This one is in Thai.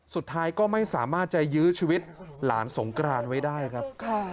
สุดท้ายก็ไม่สามารถจะยื้อชีวิตหลานสงกรานไว้ได้ครับ